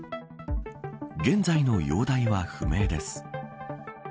現在の容体は不明です。